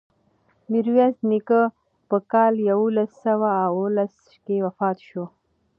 میرویس نیکه په کال یوولس سوه اوولس کې وفات شو.